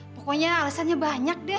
pokoknya alasannya banyak deh